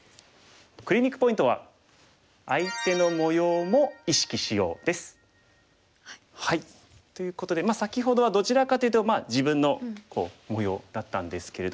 クリニックポイントは。ということで先ほどはどちらかというと自分の模様だったんですけれども。